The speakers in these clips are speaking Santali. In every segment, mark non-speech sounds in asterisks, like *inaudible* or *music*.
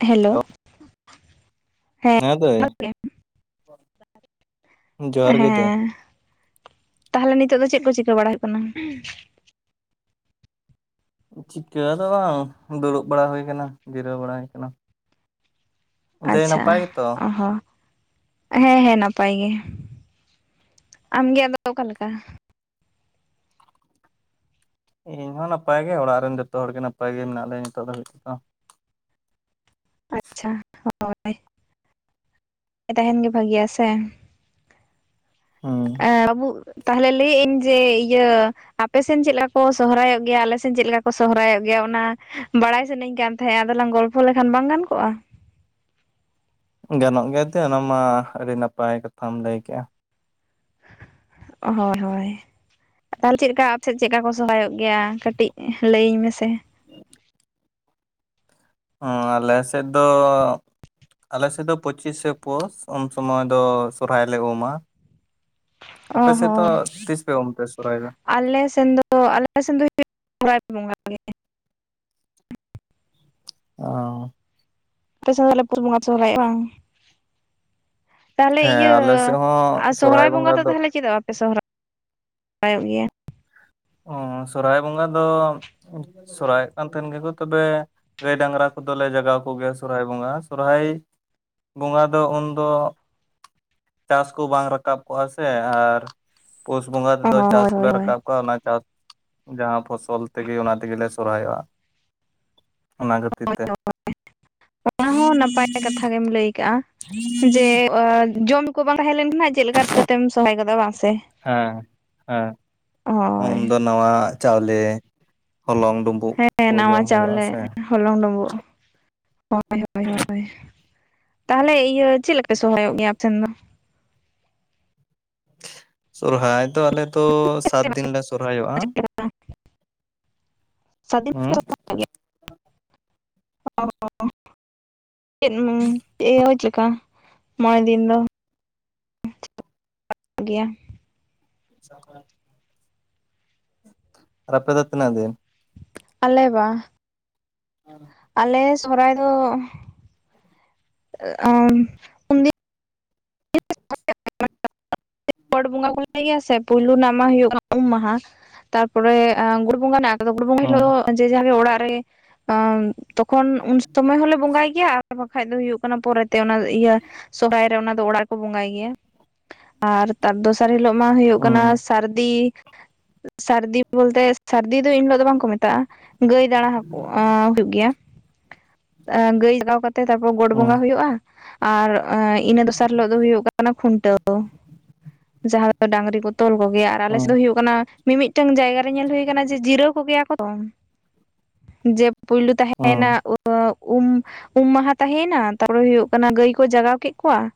ᱦᱮᱞᱳ ᱟᱫᱚᱜ ᱦᱮᱸ ᱫᱟᱹᱭ᱾ ᱡᱚᱦᱟᱨ ᱜᱮ ᱫᱟᱹᱭ᱾ ᱦᱮᱸ ᱛᱟᱦᱚᱞᱮ ᱱᱤᱛᱚᱜ ᱫᱚ ᱪᱮᱫ ᱠᱚ ᱪᱤᱠᱟᱹ ᱵᱟᱲᱟ ᱦᱩᱭᱩᱜ ᱠᱟᱱᱟ? ᱪᱤᱠᱟᱹ ᱫᱚ ᱵᱟᱝ ᱫᱩᱲᱩᱵ ᱵᱟᱲᱟ ᱦᱩᱭ ᱠᱟᱱᱟ, ᱡᱤᱨᱟᱹᱣ ᱵᱟᱲᱟ ᱦᱩᱭ ᱠᱟᱱᱟ᱾ ᱟᱪᱪᱷᱟ ᱜᱮᱛᱚ ᱚ ᱦᱚ᱾ ᱦᱮᱸ ᱦᱮᱸ ᱱᱟᱯᱟᱭ ᱜᱮ, ᱟᱢᱜᱮ ᱟᱫᱚ ᱚᱠᱟ ᱞᱮᱠᱟ? ᱤᱧᱦᱚᱸ ᱱᱟᱯᱟᱭ ᱜᱮ ᱚᱲᱟᱜ ᱨᱮᱱ ᱡᱷᱚᱛᱚ ᱦᱚᱲᱜ ᱜᱮ ᱱᱟᱯᱟᱭ ᱜᱮ ᱢᱮᱱᱟᱜ ᱞᱮᱭᱟ ᱱᱤᱛᱚᱜ ᱫᱷᱟᱵᱤᱡ ᱛᱮᱫᱚ᱾ ᱟᱪᱪᱷᱟ ᱦᱳᱭ *unintelligible* ᱛᱟᱦᱮᱸᱱ ᱜᱮ ᱵᱷᱟᱹᱜᱮ ᱭᱟᱥᱮ? ᱦᱩᱸ ᱮᱸ ᱟᱹᱵᱩ ᱛᱟᱦᱞᱮ ᱞᱟᱹᱭᱮᱫ ᱟᱹᱧ ᱡᱮ ᱤᱭᱟᱹ ᱟᱯᱮᱥᱮᱱ ᱪᱮᱫᱠᱟ ᱠᱚ ᱥᱚᱦᱨᱟᱭᱚᱜ ᱜᱮᱭᱟ ᱟᱞᱮᱥᱱ ᱪᱮᱫᱮᱠᱟ ᱠᱚ ᱥᱚᱦᱨᱟᱭᱚᱜ ᱜᱮᱭᱟ ᱚᱱᱟ ᱵᱟᱲᱟᱭ ᱥᱟᱱᱟᱧ ᱠᱟᱱ ᱛᱟᱦᱮᱸᱫ ᱟᱫᱚᱞᱟᱝ ᱜᱚᱞ ᱯᱷ ᱞᱮᱠᱷᱟᱱ ᱵᱟᱝ ᱜᱟᱱ ᱠᱚᱜᱼᱟ? ᱜᱟᱱᱚᱜ ᱜᱮᱭᱟᱛ ᱚᱱᱟ ᱢᱟ ᱟᱹᱰᱤ ᱱᱟᱯᱟᱭ ᱠᱟᱛᱷᱟᱢ ᱞᱟᱹᱭ ᱠᱮᱜᱼᱟ᱾ ᱦᱳᱭ ᱦᱳᱭ᱾ ᱛᱟᱦᱚᱞᱮ ᱪᱮᱫᱠᱟ ᱟᱯᱥᱮᱫ ᱪᱮᱫᱮ ᱠᱚ ᱥᱚᱦᱨᱟᱭᱚᱜ ᱜᱮᱭᱟ ᱠᱟᱹᱴᱤᱡ ᱞᱟᱹᱭᱟᱹᱧ ᱢᱮᱥᱮ᱾ ᱚᱸ ᱟᱞᱮ ᱥᱮᱫ ᱫᱚ ᱟᱞᱮ ᱥᱮᱫ ᱫᱚ ᱯᱩᱪᱤᱥᱮ ᱯᱳᱥ ᱩᱱ ᱥᱩᱚᱢᱚᱭ ᱫᱚ ᱥᱚᱨᱚᱨᱟᱭ ᱞᱮ ᱩᱢᱟ, ᱚ ᱟᱯᱮ ᱥᱮᱛ ᱫᱚ ᱛᱤᱥ ᱯᱮ ᱩᱢ ᱯᱮ ᱥᱚᱦᱨᱟᱭ ᱫᱚ? ᱟᱞᱮᱥᱱ ᱫᱚ ᱟᱞᱮ ᱥᱮᱱ ᱫᱚ ᱦᱩᱭᱩᱜ ᱥᱚᱨᱟᱭ ᱵᱚᱸᱜᱟ ᱜᱮ᱾ ᱚ ᱟᱯᱮ ᱥᱮᱫ ᱫᱚ ᱯᱩᱥ ᱵᱚᱸᱜᱟ ᱯᱮ ᱥᱚᱦᱚᱨᱟᱭᱚᱜᱼᱟ ᱵᱟᱝ? ᱛᱟᱦᱚᱞᱮ ᱦᱮᱸ ᱤᱭᱟᱹ ᱟᱞᱮ ᱥᱮᱫ ᱦᱚᱸ ᱟᱨ ᱥᱚᱨᱦᱟᱭ ᱥᱚᱦᱨᱟᱭ ᱵᱚᱸᱜᱟ ᱫᱚ ᱛᱟᱦᱚᱞᱮ ᱪᱮᱫᱟᱜ ᱵᱟᱯᱮ ᱥᱚᱦᱨᱟᱭ ᱯᱟᱭᱚᱜ ᱜᱮᱭᱟ᱾ ᱚᱸ ᱥᱚᱨᱦᱟᱭ ᱵᱚᱸᱜᱟ ᱫᱚ *unintelligible* ᱠᱟᱱ ᱛᱟᱦᱮᱱ ᱜᱮᱠᱚ ᱛᱚᱵᱮ ᱜᱟᱹᱭ ᱰᱟᱝᱨᱟ ᱠᱚᱫᱚᱞᱮ ᱡᱟᱜᱟᱣ ᱠᱚ ᱜᱮᱭᱟ ᱥᱚᱨᱦᱟᱭ ᱵᱚᱸᱜᱟ ᱥᱚᱨᱦᱟᱭ ᱵᱚᱸᱜᱟ ᱫᱚ ᱩᱱᱫᱚ ᱪᱟᱥ ᱠᱚ ᱵᱟᱝ ᱨᱟᱠᱟᱵ ᱠᱚᱜᱼᱟ ᱥᱮ ᱟᱨᱼᱼ ᱯᱩᱥ ᱵᱚᱸᱜᱟ ᱚ ᱛᱮᱫᱚ ᱪᱟᱥ ᱦᱳᱭ ᱠᱚᱞᱮ ᱦᱳᱭ ᱦᱳᱭ ᱨᱟᱠᱟᱵ ᱠᱟᱜᱼᱟ ᱚᱱᱟᱼᱼ ᱪᱟᱥ ᱡᱟᱦᱟᱸ ᱯᱷᱚᱥᱚᱞ ᱛᱮᱜᱮ ᱚᱱᱟ ᱛᱮᱜᱮᱞᱮ ᱞᱮ ᱥᱚᱨᱦᱟᱭᱚᱜᱼᱟ ᱚᱱᱟ ᱠᱷᱟᱹᱛᱤᱨ ᱛᱮᱼᱼ ᱚᱱᱟ ᱦᱚᱸ ᱱᱟᱯᱟᱭ ᱠᱟᱛᱷᱟ ᱜᱮᱢ ᱞᱟᱹᱭ ᱠᱟᱜᱼᱟ ᱡᱮ ᱡᱚᱢᱼᱼ ᱠᱚ ᱵᱟᱝ ᱛᱟᱦᱮᱸ ᱞᱮᱱ ᱠᱷᱟᱱ ᱪᱮᱫ ᱞᱮᱠᱟ ᱨᱤᱠᱟᱹᱛᱮᱢ ᱥᱚᱨᱦᱟᱭ ᱜᱚᱫᱚᱜᱼᱟ ᱵᱟᱝ ᱥᱮ ᱦᱮᱸ ᱦᱮᱸ ᱩᱱ ᱦᱳᱭ ᱫᱚ ᱱᱟᱣᱟ ᱪᱟᱣᱞᱮ ᱦᱚᱞᱚᱝ ᱰᱩᱢᱩᱜ ᱦᱮᱸ ᱱᱟᱣᱟ ᱪᱟᱣᱞᱮ ᱦᱚᱞᱚᱝ ᱰᱩᱵᱩᱜ ᱦᱳᱭ ᱦᱳᱭ ᱦᱳᱭ ᱛᱟᱦᱚᱞᱮ ᱤᱭᱟᱹ ᱪᱮᱫ ᱯᱮ ᱥᱚᱨᱦᱟᱭᱚᱜ ᱜᱮᱭᱟ ᱟᱯ ᱴᱷᱮᱱ ᱫᱚ ᱥᱚᱨᱦᱟᱭ ᱫᱚ ᱟᱞᱮ ᱫᱚᱼᱼ ᱥᱟᱛ ᱫᱤᱱ ᱞᱮ ᱥᱚᱨᱦᱟᱭᱚᱜᱼᱟ ᱥᱟᱫᱤᱱ ᱦᱩᱸ ᱯᱮ ᱥᱚᱦᱨᱟᱭᱚᱜ *unintelligible* *unintelligible* ᱢᱚᱬᱮ ᱫᱤᱱ ᱫᱚ ᱜᱮᱭᱟ *inaudible* ᱟᱯᱮ ᱫᱚ ᱛᱤᱱᱟᱜ ᱫᱤᱱ? ᱟᱞᱮ ᱵᱟᱼᱼ ᱦᱮᱸ ᱟᱞᱮ ᱥᱚᱦᱚᱨᱟᱭ ᱫᱚᱼᱼ *unintelligible* ᱜᱚᱰ ᱵᱚᱸᱜᱟ ᱠᱚ ᱞᱟᱹᱭ ᱜᱮᱭᱟ ᱥᱮ ᱯᱩᱭᱞᱳ ᱨᱮᱱᱟᱜ ᱢᱟ ᱦᱩᱭᱩᱜ ᱠᱟᱱᱟ ᱩᱢ ᱢᱟᱸᱦᱟ ᱛᱟᱨᱯᱚᱨᱮ *unintelligible* ᱵᱚᱸᱜᱟ ᱢᱮᱱᱟᱜ *unintelligible* ᱵᱚᱸᱜᱟ ᱦᱤᱞᱳ ᱦᱩᱸ ᱫᱚ ᱡᱮ ᱡᱟᱦᱟᱸ ᱜᱮ ᱚᱲᱟᱜ ᱨᱮ ᱛᱚᱠᱷᱚᱱ ᱩᱱ ᱥᱚᱢᱚᱭ ᱦᱚᱞᱮ ᱵᱚᱸᱜᱟᱭ ᱜᱮᱭᱟ ᱵᱟᱠᱷᱟᱡ ᱫᱚ ᱦᱩᱭᱩᱜ ᱠᱟᱱᱟ ᱯᱚᱨᱮᱛᱮ ᱚᱱᱟ ᱤᱭᱟᱹ *unintelligible* ᱚᱱᱟ ᱫᱚ ᱚᱲᱟᱜ ᱨᱮᱠᱚ ᱵᱚᱸᱜᱟᱭ ᱜᱮᱭᱟ ᱟᱨ ᱛᱟᱨ ᱫᱚᱥᱟᱨ ᱦᱤᱞᱳᱜ ᱢᱟ ᱦᱩᱭᱩᱜ ᱦᱩᱸ ᱠᱟᱱᱟ ᱥᱟᱹᱨᱫᱤ ᱥᱟᱹᱨᱫᱤ ᱵᱚᱞᱛᱮ ᱥᱟᱹᱨᱫᱤ ᱫᱚ ᱮᱱ ᱦᱤᱞᱳᱜ ᱫᱚ ᱵᱟᱝ ᱠᱚ ᱢᱮᱛᱟᱜᱼᱟ ᱜᱟᱹᱭ ᱫᱟᱬᱟ ᱦᱚᱸ ᱦᱩᱭᱩᱜ ᱜᱮᱭᱟ ᱜᱟᱹᱭ ᱞᱟᱜᱟᱣ ᱠᱟᱛᱮᱜ ᱛᱟᱯᱚᱨ ᱜᱚᱰ ᱦᱩᱸ ᱵᱚᱸᱜᱟ ᱦᱳᱭᱚᱜᱼᱟ ᱟᱨ ᱤᱱᱟᱹ ᱫᱚᱥᱟᱨ ᱦᱤᱞᱳ ᱫᱚ ᱦᱩᱭᱩᱜ ᱠᱟᱱᱟ ᱠᱷᱩᱱᱴᱟᱹᱣ ᱡᱟᱦᱟᱸ ᱫᱚ ᱰᱟᱝᱨᱤ ᱠᱚ ᱛᱚᱞ ᱠᱚ ᱜᱮᱭᱟ ᱟᱨ ᱟᱞᱮ ᱦᱩᱸ ᱥᱮᱫ ᱫᱚ ᱦᱩᱭᱩᱜ ᱠᱟᱱᱟ ᱢᱤᱢᱤᱫᱴᱟᱝ ᱡᱟᱭᱜᱟ ᱨᱮ ᱧᱮᱞ ᱦᱩᱭ ᱟᱠᱟᱱᱟ ᱡᱮ ᱡᱤᱨᱟᱹᱣ ᱠᱚ ᱜᱮᱭᱟ ᱠᱚ *unintelligible* ᱯᱩᱭᱞᱩ ᱦᱩᱸ ᱛᱟᱦᱮᱭᱱᱟ *unintelligible* ᱩᱢ ᱩᱢ ᱢᱟᱦᱟ ᱛᱟᱸᱦᱮᱭᱱᱟ ᱛᱟᱨᱯᱚᱨᱮ ᱦᱩᱭᱩᱜ ᱠᱟᱱᱟ ᱜᱟᱹᱭ ᱠᱚ ᱡᱟᱜᱟᱣ ᱠᱮᱫ ᱠᱚᱣᱟ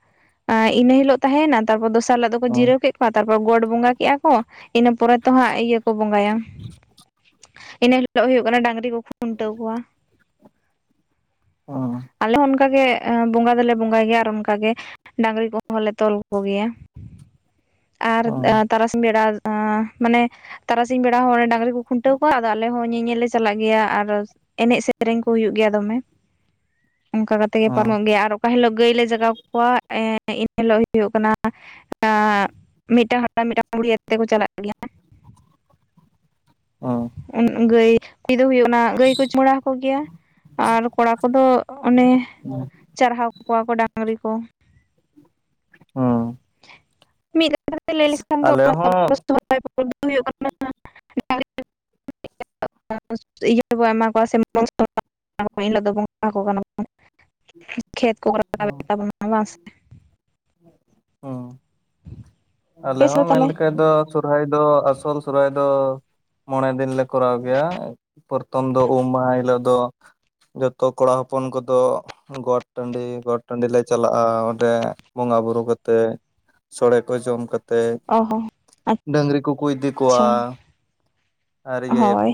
ᱮ ᱤᱱᱟᱹ ᱦᱤᱞᱳᱜ ᱛᱟᱦᱮᱱᱟ ᱛᱟᱨᱯᱚᱨ ᱫᱚᱥᱟᱨ ᱦᱤᱞᱳᱜ ᱫᱚᱠᱚ ᱦᱩᱸ ᱡᱤᱨᱟᱹᱣ ᱠᱮᱫ ᱛᱟᱨᱯᱚᱨᱮ ᱜᱚᱰ ᱵᱚᱸᱜᱟ ᱠᱮᱜᱼᱟ ᱠᱚ ᱤᱱᱟᱹ ᱯᱚᱨᱮ ᱫᱚ ᱦᱟᱸᱜ ᱤᱭᱟᱹ ᱠᱚ ᱵᱚᱸᱜᱟᱭᱟ ᱤᱱᱟᱹ ᱦᱤᱞᱳᱜ ᱦᱩᱭᱩᱜ ᱠᱟᱱᱟ ᱰᱟᱝᱨᱤ ᱠᱚ ᱠᱷᱩᱱᱴᱟᱹᱣ ᱠᱚᱣᱟ ᱚᱻ ᱟᱞᱮ ᱦᱚᱸ ᱚᱱᱠᱟ ᱜᱮ ᱵᱚᱸᱜᱟ ᱫᱚᱞᱮ ᱵᱚᱸᱜᱟᱭ ᱜᱮᱭᱟ ᱟᱨ ᱚᱱᱠᱟ ᱜᱮ ᱰᱟᱝᱨᱤ ᱠᱚᱦᱚᱸᱞᱮ ᱛᱚᱞ ᱠᱚ ᱜᱮᱭᱟ ᱟᱨ ᱦᱩᱸ ᱛᱟᱨᱥᱤᱧ ᱵᱮᱲᱟ ᱢᱟᱱᱮ, ᱼᱼ ᱛᱟᱨᱟᱥᱤᱧ ᱵᱮᱲᱟ ᱦᱚᱸ ᱚᱸᱰᱮ ᱰᱟᱝᱨᱤ ᱠᱚ ᱠᱷᱩᱱᱴᱟᱹᱣ ᱠᱚᱣᱟ ᱟᱫᱚ ᱟᱞᱮ ᱦᱚᱸ ᱧᱮᱧᱮᱞ ᱞᱮ ᱪᱟᱞᱟᱜ ᱜᱮᱭᱟ ᱟᱨ ᱮᱱᱮᱡ ᱥᱮᱨᱮᱧ ᱠᱚ ᱦᱩᱭᱩᱜ ᱜᱮᱭᱟ ᱫᱚᱢᱮ ᱚᱱᱠᱟ ᱠᱟᱛᱮᱜ ᱜᱮ ᱦᱩᱸ ᱯᱟᱨᱚᱢᱚᱜ ᱜᱮᱭᱟ ᱟᱨ ᱚᱠᱟ ᱦᱤᱞᱳᱜ ᱜᱟᱹᱭᱞᱮ ᱡᱟᱜᱟᱣ ᱠᱚᱣᱟ ᱮᱱ ᱦᱤᱞᱳᱜ ᱦᱩᱭᱩᱜ ᱠᱟᱱᱟ ᱢᱤᱫᱴᱟᱝ *unintelligible* ᱢᱤᱫᱴᱟᱝ ᱟᱛᱮ ᱠᱚ ᱪᱟᱞᱟᱜ ᱜᱮᱭᱟ ᱚ ᱚᱱ ᱚᱱ ᱜᱟᱹᱭ ᱠᱩᱲᱤ ᱫᱚ ᱦᱩᱭᱩᱜ ᱠᱟᱱᱟ ᱜᱟᱹᱭ ᱠᱚ ᱪᱩᱢᱟᱹᱲᱟ ᱦᱟᱠᱚ ᱜᱮᱭᱟ ᱟᱨ ᱠᱚᱲᱟ ᱠᱚᱫᱚ ᱚᱱᱮ ᱦᱩᱸ ᱪᱟᱨᱦᱟᱣ ᱠᱚᱣᱟ ᱠᱚ ᱰᱟᱝᱨᱤ ᱠᱚ᱾ ᱦᱚᱸ᱾ ᱟᱞᱮ *unintelligible* *unintelligible* ᱦᱩᱸ *unintelligible* ᱚ᱾ ᱟᱯᱮ ᱥᱮᱫ ᱫᱚ ᱟᱞᱮᱦᱚᱸ ᱛᱟᱦᱚᱞᱮ ᱢᱮᱱᱞᱠᱷᱟᱡ ᱫᱚ ᱥᱚᱨᱦᱟᱭ ᱫᱚ ᱟᱥᱚᱞ ᱥᱚᱨᱦᱟᱭ ᱫᱚ ᱢᱚᱬᱮ ᱫᱤᱱ ᱞᱮ ᱠᱚᱨᱟᱣ ᱜᱮᱭᱟ ᱯᱨᱚᱛᱷᱚᱢ ᱫᱚ ᱩᱢ ᱢᱟᱦᱟ ᱦᱤᱞᱳ ᱫᱚ ᱡᱚᱛᱚ ᱠᱚᱲᱟ ᱦᱚᱯᱚᱱ ᱠᱚᱫᱚ ᱜᱚᱴ ᱴᱟᱺᱰᱤ ᱜᱚᱴ ᱴᱟᱺᱰᱤ ᱞᱮ ᱪᱟᱞᱟᱜᱼᱟ ᱚᱸᱰᱮ ᱵᱚᱸᱜᱟ ᱵᱩᱨᱩ ᱠᱟᱛᱮᱜ ᱥᱚᱲᱮ ᱠᱚ ᱡᱚᱢ ᱠᱚ ᱛᱮ ᱚ ᱦᱚᱸ ᱰᱟᱹᱝᱨᱤ ᱠᱩᱠᱩ ᱤᱫᱤ ᱠᱚᱣᱟ ᱟᱪᱪᱷᱟ ᱟᱨ ᱦᱳᱭ ᱤᱭᱟᱹᱭᱟᱠᱚ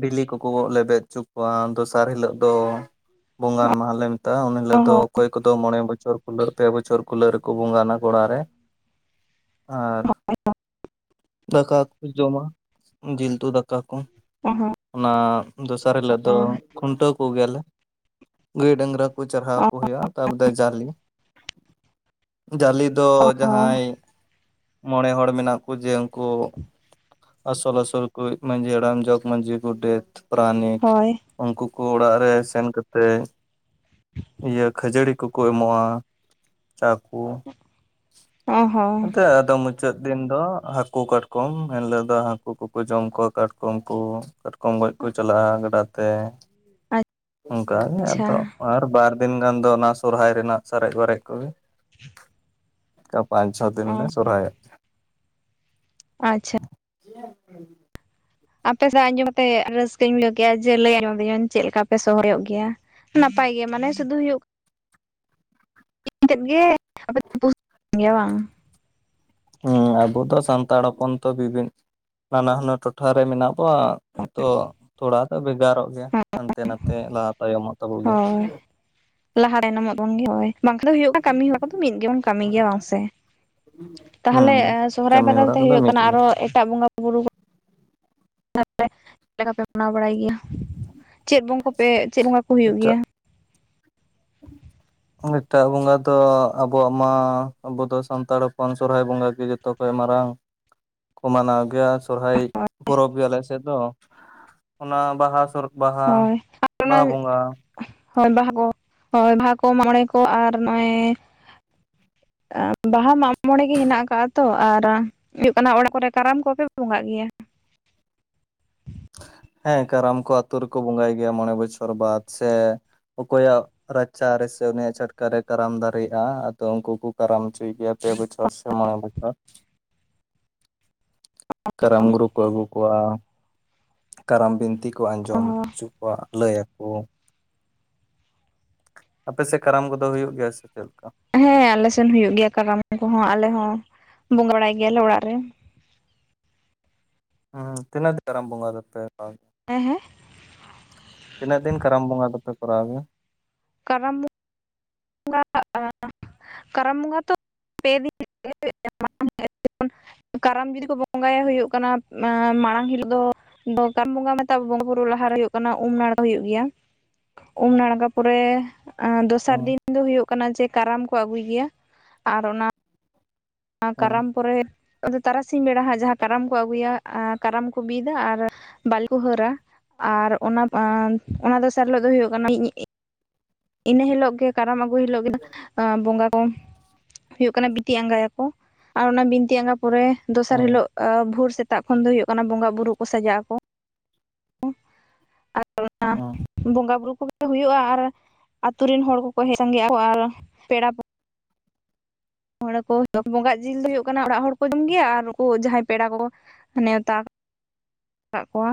ᱵᱤᱞᱤ ᱠᱚᱠᱚ ᱠᱚᱜ ᱞᱮᱵᱮᱫ ᱪᱚ ᱠᱚᱣᱟ ᱫᱚᱥᱟᱨ ᱦᱤᱞᱳᱜ ᱫᱚ ᱵᱚᱸᱜᱟᱱ ᱢᱟᱦᱟᱞᱮ ᱛᱟ ᱩᱱᱟᱹᱜ ᱞᱮ ᱚ ᱫᱚ ᱦᱚᱸ ᱚᱠᱚᱭ ᱠᱚᱫᱚ ᱢᱚᱬᱮᱵᱚᱪᱷᱚᱨ ᱠᱩᱞᱟᱹᱜ ᱯᱮ ᱵᱚᱪᱷᱚᱨ ᱠᱩᱞᱟᱹᱜ ᱨᱮᱠᱚ ᱵᱚᱸᱜᱟᱱᱟ ᱜᱚᱲᱟ ᱨᱮ᱾ ᱟᱨ ᱫᱟᱠᱟ ᱡᱚᱢᱟ ᱡᱤᱞ ᱩᱛᱩ ᱫᱟᱠᱟ ᱠᱚ ᱚ ᱦᱚᱸ ᱚᱱᱟ ᱫᱚᱥᱟᱨ ᱦᱤᱞᱟᱹᱜ ᱫᱚ ᱠᱷᱩᱱᱴᱟᱹᱣ ᱠᱚᱜᱮᱭᱟᱞ ᱜᱟᱹᱭ ᱰᱟᱝᱨᱟ ᱠᱚ ᱪᱟᱨᱦᱟᱣ ᱠᱚ ᱦᱩᱭᱩᱜᱼᱟ ᱛᱟ ᱯᱚᱛᱮ ᱡᱟᱞᱮ ᱡᱟᱞᱮ ᱫᱚ ᱚ ᱦᱚᱸ ᱡᱟᱦᱟᱸᱭ ᱢᱚᱬᱮ ᱦᱚᱲ ᱢᱮᱱᱟᱜ ᱠᱩ ᱡᱮ ᱩᱱᱠᱩ ᱟᱥᱚᱞ ᱟᱥᱚᱞ ᱠᱩ ᱦᱩᱭᱩᱜ ᱠᱟᱱᱟ ᱡᱮ ᱦᱟᱲᱟᱢ, ᱡᱚᱜᱽ ᱢᱟᱹᱡᱷᱤ, ᱜᱚᱰᱮᱛᱽ, ᱯᱨᱟᱱᱤᱠ ᱦᱳᱭ ᱩᱱᱠᱩ ᱠᱩ ᱚᱲᱟᱜ ᱨᱮ ᱥᱮᱱ ᱠᱟᱛᱮᱜ ᱤᱭᱟᱹ ᱠᱷᱟᱹᱡᱟᱹᱲᱤ ᱠᱚᱠᱚ ᱮᱢᱚᱜᱼᱟ ᱪᱟᱠᱩ ᱚ ᱦᱚᱸ ᱚᱱᱛᱮ ᱟᱫᱚ ᱢᱩᱪ ᱢᱩᱪᱟᱹᱫ ᱫᱤᱱ ᱫᱚ ᱦᱟᱹᱠᱩ ᱠᱟᱴᱠᱚᱢ ᱮᱱ ᱦᱤᱞᱳᱜ ᱫᱚ ᱦᱟᱹᱠᱩ ᱠᱚᱠᱚ ᱡᱚᱢ ᱠᱚᱣᱟ ᱛᱟᱨᱯᱚ ᱩᱱᱠᱩ ᱛᱟᱨ ᱠᱚᱢ ᱜᱚᱡ ᱠᱚ ᱪᱟᱞᱟᱜᱼᱟ ᱜᱟᱰᱟ ᱛᱮ ᱚᱱᱠᱟᱜᱮ ᱟᱫᱚ ᱟᱪᱪᱷᱟ ᱟᱨ ᱵᱟᱨ ᱫᱤᱱ ᱜᱟᱱ ᱫᱚ ᱚᱱᱟ ᱥᱚᱨᱦᱟᱭ ᱨᱮᱱᱟᱜ ᱥᱟᱨᱮᱡ ᱵᱟᱨᱮᱡ ᱠᱚ *unintelligible* ᱛᱟ ᱯᱟᱸᱪ ᱪᱷᱚ ᱫᱤᱱ ᱚ ᱥᱩᱨᱦᱟᱭ ᱟᱪᱪᱷᱟ᱾ *unintelligible* ᱟᱯᱮ ᱥᱟᱶ ᱟᱹᱡᱚᱢ ᱛᱮ ᱨᱟᱹᱥᱠᱟᱹᱧ ᱵᱩᱡᱷᱟᱹᱣ ᱠᱮᱜᱟ ᱡᱮ ᱞᱟᱹᱭ ᱟᱸᱡᱚᱢ ᱟᱫᱤᱧᱟ ᱪᱮᱜ ᱞᱮᱠᱟ ᱯᱮ ᱥᱚᱦᱚᱨᱟᱭᱚᱜ ᱜᱮᱭᱟ᱾ ᱱᱟᱯᱟᱭ ᱜᱮ ᱢᱟᱱᱮ ᱥᱩᱫᱩ ᱦᱩᱭᱩᱜ *unintelligible* *inaudible* ᱦᱤᱞᱤᱜ ᱜᱮ ᱜᱮᱭᱟ ᱵᱟᱝ ᱦᱩᱸ ᱟᱵᱚ ᱛᱚ ᱥᱟᱱᱛᱟᱲ ᱦᱚᱯᱚᱱ ᱛᱚ ᱵᱤᱵᱷᱤᱱ ᱱᱟᱱᱟ ᱦᱩᱱᱟᱹᱨ ᱴᱚᱴᱷᱟ ᱨᱮ ᱢᱮᱱᱟᱜ ᱵᱚᱣᱟ ᱛᱚ ᱛᱷᱚᱲᱟ ᱫᱚ ᱵᱷᱮᱜᱟᱨᱚᱜ ᱜᱮᱭᱟ, ᱦᱟᱱᱛᱮ ᱱᱟᱛᱮ ᱞᱟᱦᱟ ᱛᱟᱭᱚᱢᱚᱜ ᱛᱟᱵᱚᱱ ᱜᱮᱭᱟ ᱥᱮ᱾ ᱦᱳᱭ ᱞᱟᱦᱟ ᱛᱟᱭᱱᱚᱢᱚᱜ ᱵᱚᱱ ᱜᱮᱭᱟ ᱦᱳᱭ ᱵᱟᱝᱠᱷᱟᱱ ᱫᱚ ᱦᱩᱭᱩᱜ *inaudible* ᱠᱟᱹᱢᱤ ᱦᱚᱨᱟ ᱠᱚᱫᱚ ᱢᱤᱫ ᱜᱮ ᱵᱚᱱ ᱠᱟᱹᱢᱤᱭ ᱜᱮᱭᱟ ᱵᱟᱝ ᱥᱮ᱾ ᱛᱟᱦᱚᱞᱮ ᱦᱩᱸ ᱥᱚᱦᱨᱟᱭ ᱠᱟᱹᱢᱤ ᱵᱟᱫᱟᱞ ᱦᱚᱨᱟ ᱛᱮ ᱠᱚᱫᱚ ᱦᱩᱭᱩᱜ ᱢᱤᱫ ᱠᱟᱱᱟ ᱜᱮᱭᱟ ᱟᱨᱚ ᱮᱴᱟᱜ ᱵᱚᱸᱜᱟ ᱵᱩᱨᱩ ᱠᱚ *inaudible* ᱢᱟᱱᱟᱣ ᱵᱟᱲᱟᱭ ᱜᱮᱭᱟ, ᱪᱮᱜ ᱵᱚᱸᱜᱟ ᱠᱚ ᱯᱮ ᱪᱮᱫ ᱵᱚᱸᱜᱟ ᱠᱚ ᱦᱩᱭᱩᱜ ᱮᱴᱟᱜ ᱜᱮᱭᱟ? ᱮᱴᱟᱜ ᱵᱚᱸᱜᱟ ᱫᱚ ᱟᱵᱚᱣᱟᱜ ᱢᱟ ᱟᱵᱚ ᱫᱚ ᱥᱟᱱᱛᱟᱲ ᱦᱚᱯᱚᱱ ᱥᱚᱨᱦᱟᱭ ᱵᱚᱸᱜᱟ ᱜᱤ ᱡᱚᱛᱚ ᱠᱚᱭ ᱢᱟᱨᱟᱝ ᱠᱚᱢᱟᱱᱟᱣ ᱜᱮᱭᱟ ᱥᱚᱨᱦᱟᱭ ᱯᱚᱨᱚᱵ ᱜᱮ ᱟᱞᱮ ᱥᱮᱫ ᱫᱚ ᱚᱱᱟ ᱵᱟᱦᱟ ᱥᱚᱨ ᱵᱟᱦᱟ, ᱦᱳᱭ ᱟᱨ ᱚᱱᱟ ᱵᱟᱦᱟ ᱵᱚᱸᱜᱟ ᱦᱳᱭ ᱵᱟᱦᱟ ᱠᱚ ᱦᱳᱭ ᱵᱟᱦᱟ ᱠᱚ, ᱢᱟᱜᱢᱚᱬᱮ ᱠᱚ ᱟᱨ ᱱᱚᱜᱚᱭ ᱵᱟᱦᱟ ᱢᱟᱜᱢᱚᱬᱮ ᱜᱮ ᱦᱮᱱᱟᱜ ᱟᱠᱟᱜ-ᱟ ᱛᱚ ᱟᱨ ᱦᱩᱭᱩᱜ ᱠᱟᱱᱟ ᱚᱲᱟᱜ ᱠᱚᱨᱮ ᱠᱟᱨᱟᱢ *unintelligible* ᱵᱚᱸᱜᱟᱜ ᱜᱮᱭᱟ᱾ ᱦᱮᱸ ᱠᱟᱨᱟᱢ ᱠᱚ ᱟᱹᱛᱩ ᱨᱮᱠᱚ ᱵᱚᱸᱜᱟᱭ ᱜᱮᱭᱟ ᱢᱚᱬᱮ ᱵᱚᱪᱷᱚᱨ ᱵᱟᱫ ᱥᱮ ᱚᱠᱚᱭᱟᱜ ᱨᱟᱪᱟ ᱨᱮ ᱥᱮ ᱩᱱᱤᱭᱟᱜ ᱪᱷᱟᱹᱴᱠᱟ ᱨᱮ ᱠᱟᱨᱟᱢ ᱫᱟᱨᱮᱜ-ᱟ ᱟᱫᱚ ᱩᱝᱠᱩ ᱠᱚ ᱠᱟᱨᱟᱢ ᱪᱩᱭ ᱜᱮᱭᱟ᱾ ᱯᱮ ᱵᱚᱪᱷᱚᱨ ᱥᱮ ᱢᱚᱬᱮ ᱵᱚᱪᱷᱚᱨ ᱠᱟᱨᱟᱢ ᱜᱩᱨᱩ ᱠᱚ ᱟᱹᱜᱩ ᱠᱚᱣᱟ, ᱠᱟᱨᱟᱢ ᱵᱤᱱᱛᱤ ᱠᱚ ᱟᱸᱡᱚᱢ ᱚ ᱚᱪᱚ ᱠᱚᱣ-ᱟ᱾ ᱞᱟᱹᱭᱟᱠᱚ᱾ ᱟᱯᱮ ᱥᱮᱫ ᱠᱟᱨᱟᱢ ᱠᱚᱫᱚ ᱦᱩᱭᱩᱜ ᱜᱮᱭᱟ ᱥᱮ ᱪᱮᱫ ᱞᱮᱠᱟ? ᱦᱮᱸ ᱟᱞᱮ ᱥᱮᱱ ᱦᱩᱭᱩᱜ ᱜᱮᱭᱟ ᱠᱟᱨᱟᱢ ᱠᱚᱦᱚᱸ ᱟᱞᱮ ᱦᱚᱸ ᱵᱚᱸᱜᱟ ᱵᱟᱲᱟᱭ ᱜᱮᱭᱟᱞᱮ ᱚᱲᱟᱜ ᱨᱮ᱾ ᱦᱩᱸ ᱛᱤᱱᱟᱹᱜ ᱫᱤᱱ *unintelligible* ᱵᱚᱸᱜᱟ ᱫᱚ ᱯᱮ ᱦᱮᱸ ᱦᱮᱸ ᱛᱤᱱᱟᱹᱜ ᱫᱤᱱ ᱠᱟᱨᱟᱢ ᱵᱚᱸᱜᱟ ᱫᱚᱯᱮ ᱠᱚᱨᱟᱣ ᱜᱮᱭᱟ? ᱠᱟᱨᱟᱢ *unintelligible* ᱠᱟᱨᱟᱢ ᱵᱚᱸᱜᱟ ᱛᱚ *unintelligible* ᱯᱮ ᱫᱤᱱ *unintelligible* ᱠᱟᱨᱟᱢ ᱡᱩᱫᱤ ᱠᱚ ᱵᱚᱸᱜᱟᱭᱟ ᱦᱩᱭᱩᱜ ᱠᱟᱱᱟ ᱢᱟᱲᱟᱝ ᱦᱤᱞᱳ ᱫᱚ *unintelligible* ᱵᱚᱸᱜᱟ ᱢᱮᱛᱟᱜ ᱵᱚᱸᱜᱟ ᱵᱩᱨᱩ ᱞᱟᱦᱟ ᱨᱮ ᱦᱩᱭᱩᱜ ᱠᱟᱱᱟ ᱩᱢ ᱱᱟᱲᱠᱟ ᱦᱩᱭᱩᱜ ᱜᱮᱭᱟ᱾ ᱩᱢ ᱱᱟᱲᱜᱟ ᱯᱚᱨᱮ ᱟᱸ ᱫᱚᱥᱟᱨ ᱦᱩᱸ ᱫᱤᱱ ᱫᱚ ᱦᱳᱭᱳᱜ ᱠᱟᱱᱟ ᱡᱮ ᱠᱟᱨᱟᱢ ᱠᱚ ᱟᱹᱜᱩᱭ ᱜᱮᱭᱟ, ᱟᱨ ᱚᱱᱟ ᱟᱸ ᱦᱩᱸ ᱠᱟᱨᱟᱢ ᱯᱚᱨᱮ ᱟᱫᱚ ᱛᱟᱨᱟᱥᱤᱧ ᱵᱮᱲᱟ ᱦᱟᱸᱜ ᱡᱟᱦᱟᱸ ᱠᱟᱨᱟᱢ ᱠᱚ ᱟᱹᱜᱩᱭᱟ ᱟᱨ ᱠᱟᱨᱟᱢ ᱠᱚ ᱵᱤᱫᱟ ᱟᱨ ᱵᱟᱹᱞᱤ ᱠᱚ ᱦᱟᱹᱨᱟ᱾ ᱟᱨ ᱚᱱᱟ ᱚᱱᱟ ᱫᱚᱥᱟᱨ ᱦᱤᱞᱳᱜ ᱫᱚ ᱦᱩᱭᱩᱜ ᱠᱟᱱᱟ ᱢᱤᱫ ᱤᱱᱟᱹ ᱦᱤᱞᱳᱜ ᱜᱮ ᱠᱟᱨᱟᱢ ᱟᱹᱜᱩᱭ ᱦᱤᱞᱳᱜ ᱜᱮ ᱵᱚᱸᱜᱟ ᱠᱚ ᱦᱩᱭᱩᱜ ᱠᱟᱱᱟ ᱵᱤᱛᱤ ᱟᱸᱜᱟᱭᱟᱠᱚ ᱟᱨ ᱚᱱᱟ ᱵᱤᱱᱛᱤ ᱟᱸᱜᱟ ᱯᱚᱨᱮ ᱫᱚᱥᱟᱨ ᱦᱩᱸ ᱦᱤᱞᱳᱜ ᱵᱷᱳᱨ ᱥᱮᱛ ᱛᱟᱜ ᱠᱷᱚᱱ ᱫᱚ ᱦᱩᱭᱩᱜ ᱠᱟᱱᱟ ᱵᱚᱸᱜᱟ ᱵᱩᱨᱩ ᱠᱚ ᱥᱟᱡᱟᱜ ᱟᱠᱚ᱾ ᱟᱨ ᱚ ᱵᱚᱸᱜᱟ ᱵᱩᱨᱩ ᱠᱚᱜᱮ ᱦᱩᱭᱩᱜ-ᱟ ᱟᱨ ᱟᱛᱩ ᱨᱮᱱ ᱦᱚᱲ ᱠᱚᱠᱚ ᱦᱮᱡ ᱥᱟᱸᱜᱮᱜ ᱟᱠᱚ ᱟᱨ ᱯᱮᱲᱟ *unintelligible* ᱵᱚᱸᱜᱟᱜ ᱡᱤᱞ ᱫᱚ ᱦᱩᱭᱩᱜ ᱠᱟᱱᱟ ᱚᱲᱟᱜ ᱦᱚᱲ ᱠᱚ ᱡᱚᱢ ᱜᱮᱭᱟ, ᱟᱨ ᱩᱠᱩ ᱡᱟᱦᱟᱸᱭ ᱯᱮᱲᱟ ᱠᱚ ᱱᱮᱣᱛᱟ ᱠᱟᱜ ᱠᱚᱣᱟ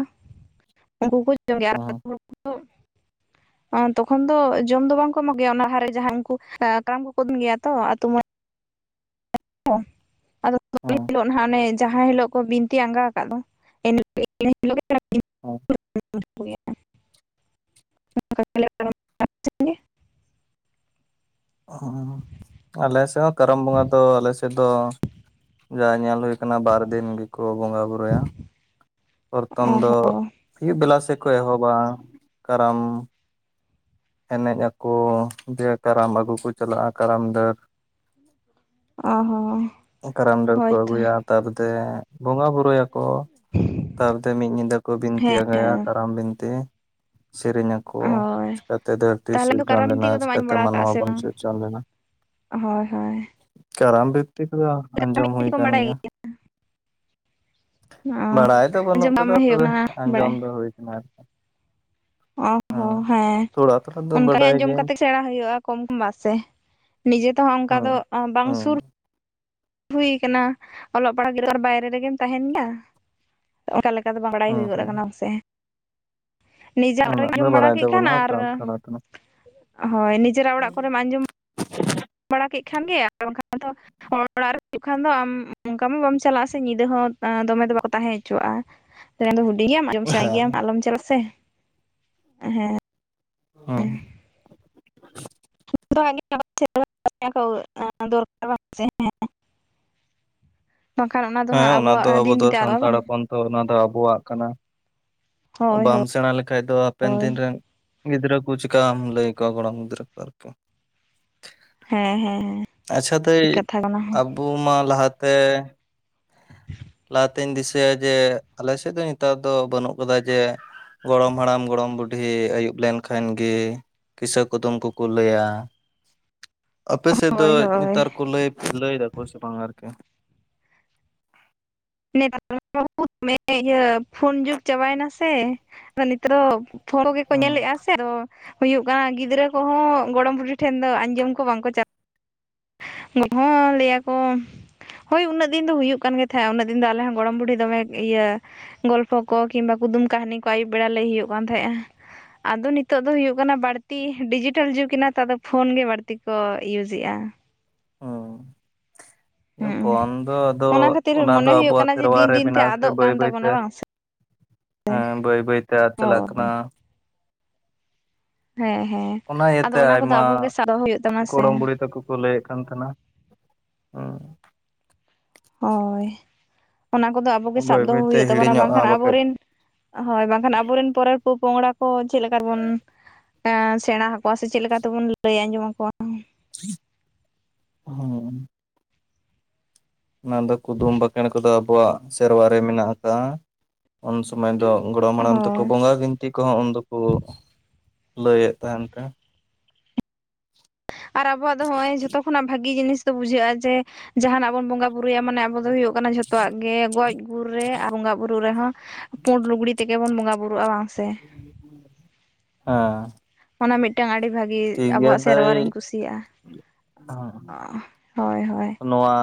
ᱩᱝᱠᱩ ᱠᱚ ᱡᱚᱢ ᱜᱮᱭᱟ ᱦᱩᱸ *unintelligible* *inaudible* ᱛᱚᱠᱷᱚᱱ ᱫᱚ ᱡᱚᱢ ᱫᱚ ᱵᱟᱝ ᱠᱚ ᱮᱢᱚᱜ ᱜᱮᱭᱟ, ᱚᱱᱟ ᱦᱟᱨ ᱨᱮ ᱡᱟᱦᱟᱸ ᱩᱝᱠᱩ ᱠᱟᱨᱟᱢ ᱠᱚ ᱫᱚᱱ ᱜᱮᱭᱟ ᱛᱚ ᱟᱛᱩ ᱢᱚᱸᱬᱮ *unintelligible* ᱟᱫᱚ *unintelligible* ᱦᱩᱸ *unintelligible* ᱦᱤᱞᱳ ᱱᱟᱦᱟᱜ ᱚᱱᱮ ᱡᱟᱦᱟᱸ ᱦᱤᱞᱳᱜ ᱠᱚ ᱵᱤᱱᱛᱤ ᱟᱸᱜᱟ ᱠᱟᱜ ᱫᱚ *unintelligible* *unintelligible* *unintelligible* ᱦᱩᱸ ᱟᱞᱮ ᱥᱮᱫ ᱦᱚᱸ ᱠᱟᱨᱟᱢ ᱵᱚᱸᱜᱟ ᱫᱚ ᱟᱞᱮ ᱥᱮᱫ ᱛᱮᱫᱚ ᱡᱟ ᱧᱮᱞ ᱦᱩᱭ ᱠᱟᱱᱟ ᱵᱟᱨ ᱫᱤᱱ ᱜᱮᱠᱚ ᱵᱚᱸᱜᱟ ᱵᱩᱨᱩᱭ-ᱟ᱾ ᱯᱚᱨᱛᱷᱚᱢ ᱚ ᱫᱚ ᱦᱚᱸ ᱟᱹᱭᱩᱵ ᱵᱮᱞᱟ ᱥᱮᱠᱚ ᱮᱦᱚᱵᱟ ᱠᱟᱨᱟᱢ ᱮᱱᱮᱡ ᱟᱠᱚ, ᱫᱤᱭᱮ ᱠᱟᱨᱟᱢ ᱟᱹᱜᱩ ᱠᱚ ᱪᱟᱞᱟᱜ-ᱟ ᱠᱟᱨᱟᱢ ᱰᱟᱹᱨ ᱚ ᱦᱚᱸ ᱠᱟᱨᱟᱢ ᱰᱟᱹᱨ ᱠᱚ ᱦᱳᱭᱛᱚ ᱟᱹᱜᱩᱭᱟ, ᱛᱟᱯᱚᱫᱮ ᱵᱚᱸᱜᱟ ᱵᱩᱨᱩ ᱨᱳᱭᱟᱠᱚ ᱛᱟᱯᱚᱨᱮ ᱢᱤᱫ ᱧᱤᱫᱟᱹ ᱠᱚ ᱵᱤᱱᱛᱤ ᱦᱮᱸ ᱟᱸᱜᱟᱭᱟ, ᱦᱮᱸ ᱠᱟᱨᱟᱢ ᱵᱤᱱᱛᱤ᱾ ᱥᱮᱨᱮᱧ ᱟᱠᱚ᱾ ᱦᱳᱭ ᱠᱟᱛᱮ ᱫᱚ ᱫᱷᱟᱹᱨᱛᱤ ᱛᱟᱦᱚᱞᱮ ᱫᱚ ᱥᱤᱨᱡᱚᱱ ᱠᱟᱨᱟᱢ ᱵᱤᱱᱛᱤ ᱞᱮᱱᱟ, ᱠᱚᱫᱚᱢ ᱪᱤᱠᱟᱹ ᱟᱸᱡᱚᱢ ᱛᱮ ᱵᱟᱲᱟ ᱟᱠᱟᱜᱼᱟ ᱢᱟᱱᱣᱟ ᱥᱮ ᱵᱚᱱ ᱵᱟᱝ ᱥᱤᱨᱡᱚᱱ ᱞᱮᱱᱟ? ᱦᱳᱭ ᱦᱳᱭ ᱠᱟᱨᱟᱢ ᱵᱷᱤᱛᱛᱤ ᱠᱚᱫᱚ ᱠᱟᱨᱟᱢ ᱟᱸᱡᱚᱢ ᱦᱩᱭ ᱵᱤᱱᱛᱤ ᱠᱚᱢ ᱠᱟᱱ ᱵᱟᱰᱟᱭ ᱜᱮᱭᱟ᱾ ᱚ ᱵᱟᱲᱟᱭ ᱫᱚ ᱵᱟᱹᱱᱩᱜ ᱟᱸᱡᱚᱢ ᱵᱟᱢ ᱠᱟᱫᱟ ᱦᱩᱭᱩᱜ ᱛᱚᱵᱮ ᱠᱟᱱᱟ ᱟᱸᱡᱚᱢ ᱵᱟᱲᱟᱭ ᱫᱚ ᱦᱩᱭᱩ ᱟᱠᱟᱱᱟ ᱟᱨᱠᱤ᱾ ᱚ ᱦᱚᱸ ᱦᱮᱸ ᱛᱷᱚᱲᱟ ᱛᱷᱚᱲᱟ ᱫᱚ ᱚᱱᱠᱟᱜ ᱵᱟᱰᱟᱭ ᱟᱸᱡᱚᱢ ᱜᱤᱭᱟᱹᱧ ᱠᱟᱛᱮᱜ ᱥᱮᱬᱟ ᱦᱩᱭᱩᱜᱼᱟ ᱠᱚᱢ ᱠᱚ ᱵᱟ ᱥᱮ ᱱᱤᱡᱮ ᱛᱮᱦᱚᱸ ᱚᱱᱠᱟ ᱦᱮᱸ ᱫᱚ ᱵᱟᱝ ᱦᱮᱸ ᱥᱩᱨ ᱦᱩᱭ ᱠᱟᱱᱟ ᱚᱞᱚᱜ ᱯᱟᱲᱦᱟᱜ ᱜᱤᱫᱽᱨᱟᱹ ᱛᱚ ᱵᱟᱭᱨᱮ ᱨᱮᱜᱮᱢ ᱛᱟᱦᱮᱱ ᱜᱮᱭᱟ᱾ ᱚᱱᱠᱟ ᱞᱮᱠᱟ ᱫᱚ ᱵᱟᱝ ᱵᱟᱲᱟᱭ ᱦᱮᱸ ᱦᱩᱭᱩᱜ ᱜᱚᱫ ᱦᱮᱸ ᱠᱟᱱᱟ ᱥᱮ᱾ ᱱᱤᱡᱮᱨᱟᱜ ᱩᱱᱟᱹᱜ ᱫᱚ ᱡᱚᱢ ᱵᱟᱲᱟ ᱵᱟᱲᱟᱭ ᱫᱚ ᱠᱮᱫ ᱠᱷᱟᱱ ᱵᱟᱹᱱᱩᱜᱼᱟ ᱟᱨ ᱛᱚ ᱛᱷᱚᱲᱟ ᱛᱷᱚᱲᱟ ᱦᱳᱭ ᱱᱤᱡᱮᱨᱟᱜ ᱚᱲᱟᱜ ᱠᱚᱨᱮᱢ ᱟᱸᱡᱚᱢ ᱵᱟᱲᱟ ᱠᱮᱫ ᱠᱷᱟᱱᱜᱮ ᱟᱨ ᱵᱟᱝᱠᱷᱟᱱ ᱫᱚ ᱚᱲᱟᱜ ᱨᱮ ᱦᱩᱭᱩᱜ ᱠᱷᱟᱱ ᱫᱚ ᱟᱢ ᱚᱱᱠᱟ ᱢᱟ ᱵᱟᱢ ᱪᱟᱞᱟᱜᱼᱟ ᱥᱮ ᱧᱤᱫᱟᱹ ᱦᱚᱸ᱾ ᱟ ᱫᱚᱢᱮ ᱫᱚ ᱵᱟᱠᱚ ᱛᱟᱦᱮᱸ ᱦᱚᱪᱚᱣᱟᱜᱼᱟ᱾ ᱫᱚ ᱦᱩᱰᱤᱧ ᱜᱮᱭᱟᱢ ᱟᱸᱡᱚᱢ ᱦᱮᱸ ᱥᱟᱸᱜᱮᱭᱟᱢ ᱟᱞᱚᱢ ᱪᱟᱞᱟᱜ ᱥᱮ ᱦᱮᱸ᱾ ᱚ *unintelligible* ᱫᱚᱨᱠᱟᱨ ᱵᱟᱝ ᱥᱮ ᱦᱮᱸ ᱫᱚ ᱦᱟᱸᱜ ᱦᱮᱸ ᱚᱱᱟ ᱫᱚ ᱟᱵᱚᱣᱟᱜ ᱟᱵᱚ ᱫᱤᱱ ᱫᱚ ᱛᱮ ᱟᱫᱚᱜᱼᱟ ᱥᱟᱱᱛᱟᱲ ᱵᱟᱝ ᱦᱚᱯᱚᱱ ᱛᱚ ᱚᱱᱟ ᱫᱚ ᱟᱵᱚᱣᱟᱜ ᱠᱟᱱᱟ ᱦᱳᱭ ᱵᱟᱢ ᱦᱳᱭ ᱥᱮᱬᱟ ᱞᱮᱠᱷᱟᱡ ᱫᱚ᱾ ᱦᱟᱯᱮᱱ ᱦᱳᱭ ᱫᱤᱱ ᱨᱮᱱ ᱜᱤᱫᱽᱨᱟᱹ ᱠᱚ ᱪᱤᱠᱟᱢ ᱞᱟᱹᱭ ᱟᱠᱚᱣᱟ ᱜᱚᱲᱚᱢ ᱜᱤᱫᱽᱨᱟᱹ ᱠᱚ ᱟᱨᱠᱤ᱾ ᱦᱮᱸ ᱦᱮᱸ ᱟᱪᱪᱷᱟ ᱫᱟᱹᱭ ᱴᱷᱤᱠ ᱠᱟᱛᱷᱟ ᱠᱟᱱᱟ ᱟᱵᱚ ᱢᱟ ᱞᱟᱦᱟᱛᱮ ᱞᱟᱦᱟᱛᱤᱧ ᱫᱤᱥᱟᱹᱭᱟ ᱡᱮ ᱟᱞᱮ ᱥᱮᱫ ᱫᱚ ᱱᱮᱛᱟᱨ ᱫᱚ ᱵᱟᱹᱱᱩᱜ ᱠᱟᱫᱟ ᱡᱮ ᱜᱚᱲᱚᱢ ᱦᱟᱲᱟᱢ ᱜᱚᱲᱚᱢ ᱵᱩᱰᱷᱤ ᱟᱹᱭᱩᱵ ᱞᱮᱱᱠᱷᱟᱱ ᱜᱮ ᱠᱤᱥᱟᱹ ᱠᱩᱫᱩᱢ ᱠᱚᱠᱚ ᱞᱟᱹᱭᱟ ᱟᱯᱮ ᱥᱮᱫ ᱫᱚ ᱦᱳᱭ ᱦᱳᱭ ᱱᱮᱛᱟᱨ ᱠᱚ ᱞᱟ. ᱭ ᱞᱟᱹᱭ ᱫᱟᱠᱚ ᱥᱮ ᱵᱟᱝ ᱟᱨᱠᱤ? ᱱᱮᱛᱟᱨ ᱵᱟᱵᱩ ᱫᱚᱢᱮ ᱤᱭᱟᱹ ᱯᱷᱳᱱ ᱡᱩᱜᱽ ᱪᱟᱵᱟᱭᱮᱱᱟ ᱥᱮ ᱟᱫᱚ ᱱᱤᱛᱨᱚ ᱯᱷᱚᱱ ᱜᱮᱠᱚ ᱦᱩᱸ ᱧᱮᱞᱮᱫᱼᱟ᱾ ᱥᱮ ᱟᱫᱚ ᱦᱩᱭᱩᱜ ᱠᱟᱱᱟ ᱜᱤᱫᱽᱨᱟᱹ ᱠᱚᱦᱚᱸ ᱜᱚᱲᱚᱢ ᱵᱩᱰᱷᱤ ᱴᱷᱮᱱ ᱫᱚ ᱟᱸᱡᱚᱢ ᱠᱚ ᱵᱟᱝ ᱠᱚ ᱪᱟᱞᱟᱜ᱾ *unintelligible* ᱦᱚᱸ ᱞᱟᱹᱭ ᱟᱠᱚ᱾ ᱦᱳᱭ ᱩᱱᱟᱹᱜ ᱫᱤᱱ ᱫᱚ ᱦᱩᱭᱩᱜ ᱠᱟᱱ ᱜᱮ ᱛᱟᱦᱮᱸᱫ ᱩᱱᱟᱹᱜ ᱫᱤᱱ ᱫᱚ ᱟᱞᱮᱦᱚᱸ ᱜᱚᱲᱚᱢ ᱵᱩᱰᱤ ᱫᱚᱢᱮ ᱤᱭᱟᱹ ᱜᱚᱞᱯᱷᱚ ᱠᱚ ᱠᱤᱵᱟ ᱠᱩᱫᱩᱢ ᱠᱟᱹᱦᱱᱤ ᱠᱚ ᱟ. ᱭᱩᱵ ᱵᱮᱲᱟ ᱞᱟᱹᱭ ᱦᱩᱭᱩᱜ ᱠᱟᱱ ᱛᱟᱸᱦᱮᱫ ᱟ᱾ ᱟᱫᱚ ᱱᱤᱛᱚᱜ ᱫᱚ ᱦᱩᱭᱩᱜ ᱠᱟᱱᱟ ᱵᱟᱹᱲᱛᱤ ᱰᱤᱡᱤᱴᱮᱞ ᱡᱩᱜᱽ ᱮᱱᱟ ᱛᱚ, ᱟᱫᱚ ᱯᱷᱳᱱ ᱜᱮ ᱵᱟᱹᱲᱛᱤ ᱠᱚ ᱤᱭᱩᱡ ᱮᱫ ᱟ᱾ ᱦᱩᱸ ᱯᱷᱳᱱ ᱫᱚ ᱟᱫᱚ ᱠᱷᱟᱹᱛᱤᱨ ᱚᱱᱟ ᱫᱚ ᱢᱚᱱᱮ ᱦᱩᱭᱩᱜ ᱟᱵᱚᱣᱟᱜ ᱠᱟᱱᱟ ᱡᱮ ᱥᱮᱨᱣᱟ ᱫᱤᱱ ᱨᱮ ᱫᱤᱱ ᱛᱮ ᱢᱮᱱᱟᱜ ᱟᱥᱮ ᱟᱫᱚᱜ ᱵᱟᱹᱭ ᱠᱟᱱ ᱵᱟᱹᱭ ᱛᱮ ᱛᱟᱵᱚᱱᱟ ᱵᱟᱝ ᱥᱮ ᱮᱸ ᱵᱟᱹᱭ ᱵᱟᱹᱭ ᱛᱮ ᱟᱫ ᱦᱳᱭ ᱪᱟᱞᱟᱜ ᱠᱟᱱᱟ᱾ ᱦᱮᱸ ᱦᱮᱸ ᱚᱱᱟ ᱤᱭᱟᱹᱛᱮ ᱟᱫᱚ ᱚᱱᱟ ᱠᱚᱫᱚ ᱟᱭᱢᱟ ᱟᱵᱚᱜᱮ ᱥᱟᱵ ᱫᱚᱦᱚ ᱦᱩᱭᱩᱜ ᱛᱟᱵᱚᱱᱟ ᱥᱮ ᱜᱚᱲᱚᱢ ᱵᱩᱲᱦᱤ ᱛᱟᱠᱚ᱾ ᱠᱚ ᱞᱟᱹᱭᱮᱫ ᱠᱟᱱ ᱛᱟᱦᱮᱱᱟ ᱩᱸ᱾ ᱦᱳᱭ ᱚᱱᱟ ᱠᱚᱫᱚ ᱟᱵᱚᱜᱮ ᱥᱟᱵ ᱵᱟᱹᱭ ᱫᱚᱦᱚ ᱵᱟᱹᱭᱛᱮ ᱦᱩᱭᱩᱜ ᱛᱟᱵᱚᱱᱟ ᱵᱟᱝ ᱦᱤᱲᱤᱧᱚᱜᱼᱟ ᱠᱷᱟᱱ ᱵᱟᱠᱷᱟᱡ ᱟᱵᱚᱨᱮᱱ ᱦᱳᱭ ᱵᱟᱝᱠᱷᱟᱱ ᱟᱵᱚᱨᱮᱱ ᱯᱚᱨᱮᱨ ᱯᱚ ᱯᱚᱜᱽᱲᱟ ᱠᱚ ᱪᱮᱫ ᱞᱮᱠᱟ ᱵᱚᱱ ᱮ ᱥᱮᱬᱟ ᱟᱠᱚᱣᱟ ᱥᱮ ᱪᱮᱫ ᱞᱮᱠᱟ ᱛᱮᱵᱩᱱ ᱞᱟᱹᱭ ᱟᱸᱡᱚᱢ ᱟᱠᱚᱣᱟ? ᱦᱩᱸ ᱚᱱᱟ ᱫᱚ ᱠᱩᱫᱩᱢ ᱵᱟᱸᱠᱷᱮᱬ ᱠᱚᱫᱚ ᱟᱵᱚᱣᱟᱜ ᱥᱮᱨᱣᱟᱨ ᱨᱮ ᱢᱮᱱᱟᱜ ᱟᱠᱟᱜᱼᱟ ᱩᱱ ᱥᱚᱢᱚᱭ ᱫᱚ ᱜᱚᱲᱚᱢ ᱦᱟᱲᱟᱢ ᱛᱮᱠᱚ ᱦᱳᱭ ᱵᱚᱸᱜᱟ ᱜᱤᱧ ᱛᱤ ᱠᱚᱦᱚᱸ ᱩᱱ ᱫᱚᱠᱚ ᱞᱟᱹᱭᱮᱫ ᱛᱟᱦᱮᱱ ᱠᱟᱱ ᱟᱨ ᱟᱵᱚᱣᱟᱜ ᱫᱚ ᱱᱚᱜ ᱚᱭ ᱡᱷᱚᱛᱚ ᱠᱷᱚᱱᱟᱜ ᱵᱷᱟᱜᱤ ᱡᱤᱱᱤᱥ ᱫᱚ ᱵᱩᱡᱷᱟᱹᱜᱼᱟ ᱡᱮ ᱡᱟᱦᱟᱱᱟᱜ ᱵᱚᱱ ᱵᱚᱸᱜᱟ ᱵᱩᱨᱩᱭᱟ ᱢᱟᱱᱮ ᱟᱵᱚ ᱫᱚ ᱦᱩᱭᱩᱜ ᱠᱟᱱᱟ ᱡᱷᱚᱛᱚᱣᱟᱜ ᱜᱮ ᱜᱚᱡ ᱜᱩᱨ ᱨᱮ ᱟᱨ ᱵᱚᱸᱜᱟᱼ ᱵᱩᱨᱩ ᱨᱮᱦᱚᱸ ᱯᱩᱸᱰ ᱞᱩᱜᱽᱲᱤ ᱛᱮᱜᱮ ᱵᱚᱱ ᱵᱚᱸᱜᱟ ᱵᱩᱨᱩᱜᱼᱟ ᱵᱟᱝ ᱥᱮ ᱦᱮᱸ ᱚᱱᱟ ᱢᱤᱫᱴᱟᱝ ᱟᱹᱰᱤ ᱵᱷᱟᱹᱜᱤ ᱴᱷᱤᱠ ᱜᱮᱭᱟ ᱟᱵᱚᱣᱟᱜ ᱫᱟᱹᱭ ᱥᱮᱨᱣᱟᱨᱤᱧ ᱠᱩᱥᱤᱭᱟᱜᱼᱟ᱾ ᱦᱳᱭ ᱦᱳᱭ ᱱᱚᱣᱟ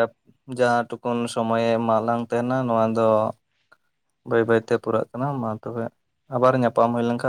ᱮᱯ ᱡᱟᱦᱟᱸ ᱴᱩᱠᱩᱩᱱ ᱥᱚᱢᱚᱭᱮ ᱮᱢᱟᱜ ᱞᱟᱝ ᱛᱟᱦᱮᱱᱟ ᱱᱚᱣᱟ ᱫᱚ ᱵᱟᱹᱭ ᱵᱟᱹᱭ ᱛᱮ ᱯᱩᱨᱟᱹᱜ ᱠᱟᱱᱟ ᱢᱟ ᱛᱚᱵᱮ ᱟᱵᱟᱨ ᱧᱟᱯᱟᱢ ᱦᱩᱭ ᱞᱮᱱᱠᱷᱟᱱ